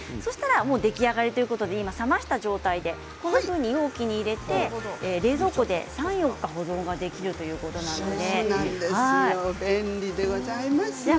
そうしたら出来上がりということで冷ました状態で容器に入れて冷蔵庫で３、４日保存ができるということです。